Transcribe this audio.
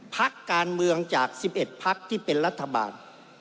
พักการเมืองจาก๑๑พักที่เป็นรัฐบาล